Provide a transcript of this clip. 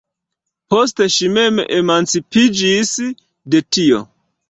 Poste ŝi mem emancipiĝis de tio.